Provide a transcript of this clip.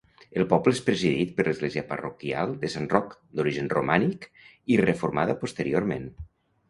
El poble és presidit per l'església parroquial de Sant Roc, d'origen romànic i reformada posteriorment.